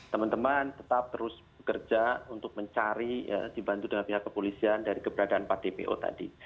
teman teman tetap terus bekerja untuk mencari dibantu dengan pihak kepolisian dari keberadaan empat dpo tadi